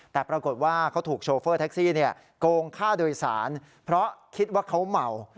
แต่ปรากฏว่าเขาถูกโชเฟอร์แท็กซี่โกงค่าโดยสารเพราะคิดว่าเขาเมา